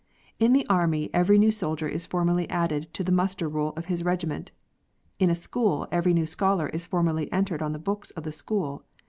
In the army every new soldier is formally added to the muster roll of his regiment. In a school every new scholar is formally entered on the books of the school.